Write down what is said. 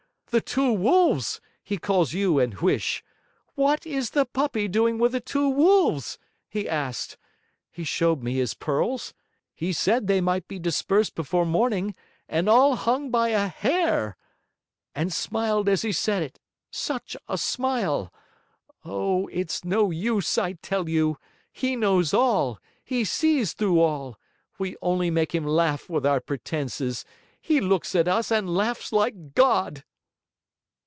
THE TWO WOLVES, he calls you and Huish. WHAT IS THE PUPPY DOING WITH THE TWO WOLVES? he asked. He showed me his pearls; he said they might be dispersed before morning, and ALL HUNG BY A HAIr and smiled as he said it, such a smile! O, it's no use, I tell you! He knows all, he sees through all; we only make him laugh with our pretences he looks at us and laughs like God!'